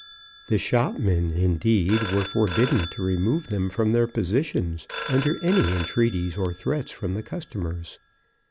The shopmen, indeed, were forbidden to remove them from their positions under any entreaties or threats from the customers.